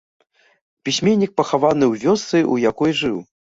Пісьменнік пахаваны ў вёсцы, у якой жыў.